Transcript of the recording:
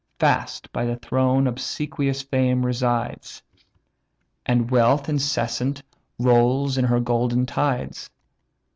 Fast by the throne obsequious fame resides, And wealth incessant rolls her golden tides.